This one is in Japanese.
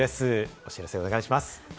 お知らせお願いします。